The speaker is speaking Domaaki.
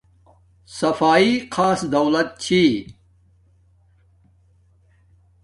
صفایݵ خاص دولت چھی